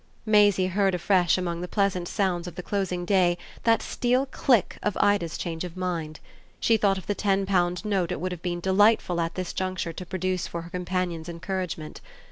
Maisie heard afresh among the pleasant sounds of the closing day that steel click of Ida's change of mind. She thought of the ten pound note it would have been delightful at this juncture to produce for her companion's encouragement.